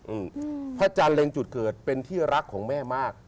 อืมพระอาจารย์เร็งจุดเกิดเป็นที่รักของแม่มาก